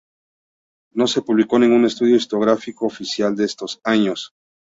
No se publicó ningún estudio historiográfico oficial en estos años.